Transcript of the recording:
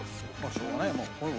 しょうがないもう。